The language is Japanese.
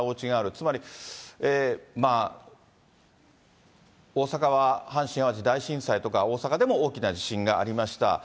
つまり大阪は阪神・淡路大震災とか、大阪でも大きな地震がありました。